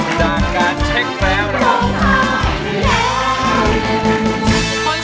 ก่อนจะเช็คแล้ว